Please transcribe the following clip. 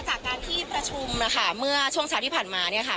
จากการที่ประชุมนะคะเมื่อช่วงเช้าที่ผ่านมาเนี่ยค่ะ